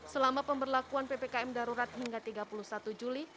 selama pemberlakuan ppkm darurat hingga tiga puluh satu juli